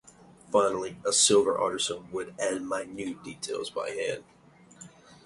Finally, a silver artisan would add minute details by hand.